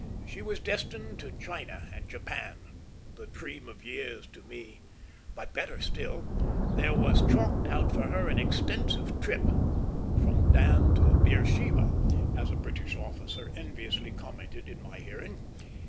She was destined to China and Japan, the dream of years to me; but, better still, there was chalked out for her an extensive trip, "from Dan to Beersheba," as a British officer enviously commented in my hearing.